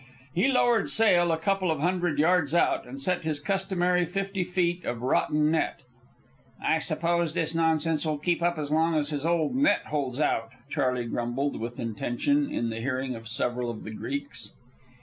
He lowered sail a couple of hundred yards out and set his customary fifty feet of rotten net. "I suppose this nonsense will keep up as long as his old net holds out," Charley grumbled, with intention, in the hearing of several of the Greeks.